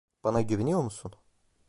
Bana güveniyor musun?